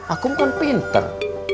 aku bukan pinter